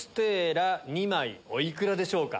２枚お幾らでしょうか？